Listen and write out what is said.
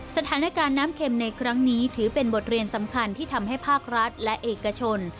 สถานการณ์น้ำเข็มในครั้งนี้ถือเป็นบทเรียนสำคัญที่ทำให้ภาครัฐและเอกชน